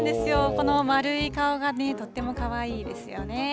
この丸い顔がとってもかわいいですよね。